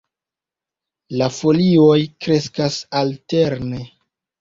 La folioj kreskas alterne.